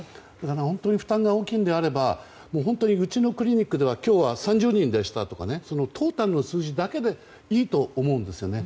本当に負担が大きいならばうちのクリニックは今日は３０人でしたとかそのトータルの数字だけでいいと思うですよね。